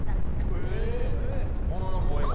ええ⁉ものの声が。